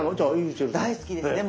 大好きですね。